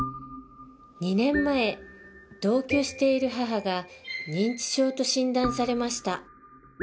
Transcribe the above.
２年前同居している母が認知症と診断されました。